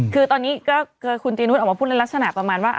คือตอนนี้ก็คือคุณตีนุษย์ออกมาพูดในลักษณะประมาณว่า